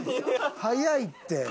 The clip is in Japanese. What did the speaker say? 早いって。